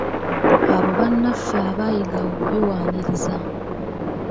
Abo bannaffe abaayiga okubiwaaniriza.